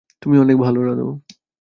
তুমি অনেক ভালো রাঁধো।